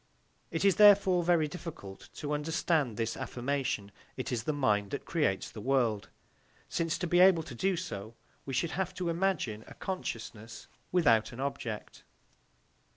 It is therefore very difficult to understand this affirmation, "It is the mind that creates the world," since to be able to do so, we should have to imagine a consciousness without an object.